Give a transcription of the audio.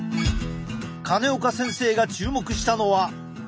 金岡先生が注目したのは。